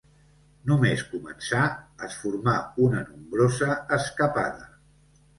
Només començar es formà una nombrosa escapada.